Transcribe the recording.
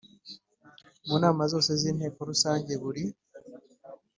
Mu nama zose z inteko rusange buri